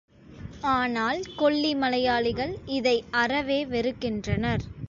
ஆனால் கொல்லி மலையாளிகள் இதை அறவே வெறுக்கின்றனர்.